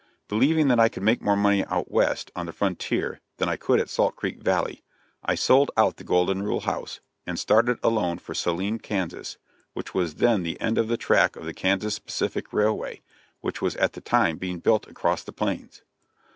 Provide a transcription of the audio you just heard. Believing that I could make more money out West on the frontier than I could at Salt Creek Valley, I sold out the Golden Rule House, and started alone for Saline, Kansas, which was then the end of the track of the Kansas Pacific railway, which was at that time being built across the plains.